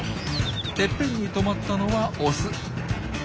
てっぺんに止まったのはオス。